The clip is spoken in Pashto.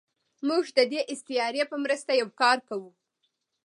موږ د دې استعارې په مرسته یو کار کوو.